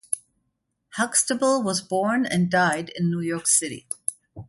Huxtable was born and died in New York City.